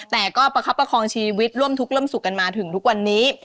แต่ประคับของชีวิตเริ่มสุขมาถึงทุกวันนี้